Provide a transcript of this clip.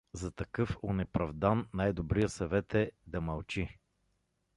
За такъв онеправдан най-добрият съвет е — да мълчи.